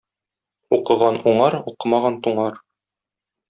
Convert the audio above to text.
Укыган уңар, укымаган туңар.